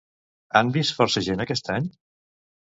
Han vist força gent aquest any?